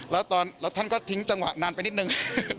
แล้วตอนแล้วท่านก็ทิ้งจังหวะนานไปนิดหนึ่ง